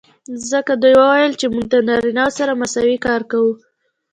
ځکه دوي وويل چې موږ د نارينه سره مساوي کار کو.